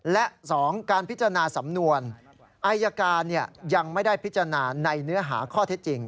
และ๒การพิจารณาสำนวนอายการยังไม่ได้พิจารณาในเนื้อหาข้อเท็จจริง